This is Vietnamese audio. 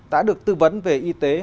đã được tư vấn về y tế